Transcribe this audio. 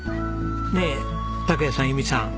ねえ拓也さん友美さん